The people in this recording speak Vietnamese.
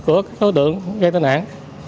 của các đối tượng gây tai nạn